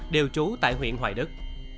đều trú tại huyện hoài đức